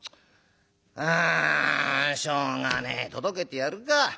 あしょうがねえ届けてやるか。